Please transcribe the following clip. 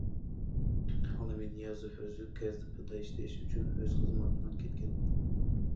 Ал эми Ниязов өзү КСДПда иштеш үчүн өз кызматынан кеткен.